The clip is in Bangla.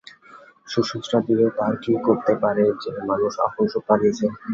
শুশ্রূষা দিয়ে তার কী করতে পার, যে-মানুষ আপন সত্য হারিয়েছে!